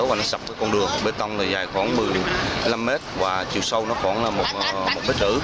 và nó sập cái con đường bê tông là dài khoảng một mươi năm m và chiều sâu nó khoảng một m